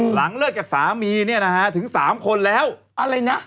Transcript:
หลังเลิกจากสามีเนี่ยนะฮะถึงสามคนแล้วอะไรนะ